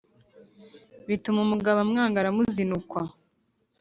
Bituma umugabo amwanga aramuzinukwa